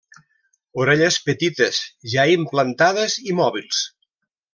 Orelles petites, ja implantades i mòbils.